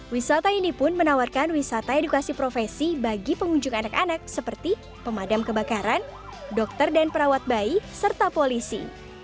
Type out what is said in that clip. wisata ini pun menawarkan wisata edukasi profesi bagi pengunjung anak anak seperti pemadam kebakaran dokter dan perawat bayi serta polisi